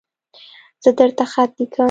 زه درته خط لیکم